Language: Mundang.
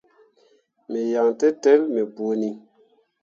Me yan tǝtel me bõoni.